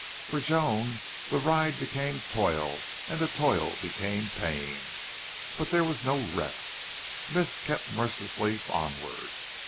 For Joan the ride became toil and the toil became pain. But there was no rest. Smith kept mercilessly onward.